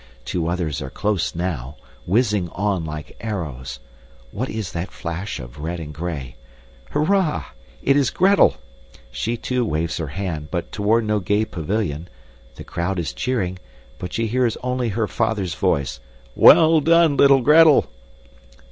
Two others are close now, whizzing on like arrows. What is that flash of red and gray? Hurray, it is Gretel! She, too, waves her hand, but toward no gay pavilion. The crowd is cheering, but she hears only her father's voice. "Well done, little Gretel!"